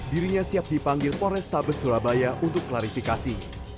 dirinya siap dipanggil polres tabes surabaya untuk klarifikasi